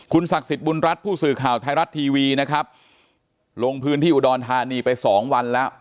ศักดิ์สิทธิ์บุญรัฐผู้สื่อข่าวไทยรัฐทีวีนะครับลงพื้นที่อุดรธานีไปสองวันแล้ว